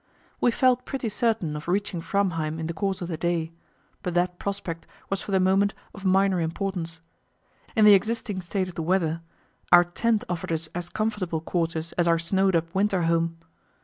We felt pretty certain of reaching Framheim in the course of the day, but that prospect was for the moment of minor importance. In the existing state of the weather our tent offered us as comfortable quarters as our snowed up winter home.